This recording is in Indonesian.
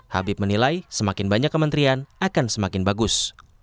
habib menilai semakin banyak kementerian akan semakin bagus